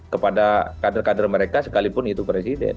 kepada kader kader mereka sekalipun itu presiden